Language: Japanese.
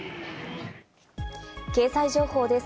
経済情報です。